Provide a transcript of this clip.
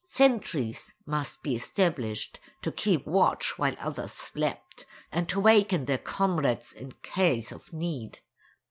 Sentries must be established to keep watch while others slept, and to waken their comrades in case of need.